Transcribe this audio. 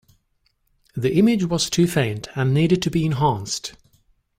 The image was too faint and needed to be enhanced.